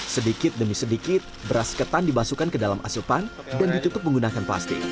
sedikit demi sedikit beras ketan dimasukkan ke dalam asupan dan ditutup menggunakan plastik